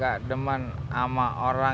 aku ke rumah pintu métu satu dan tiga